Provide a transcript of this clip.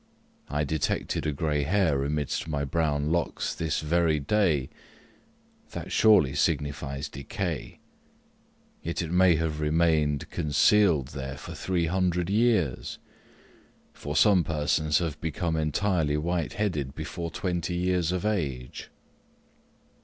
I detected a gray hair amidst my brown locks this very day that surely signifies decay. Yet it may have remained concealed there for three hundred years for some persons have become entirely white headed before twenty years of age.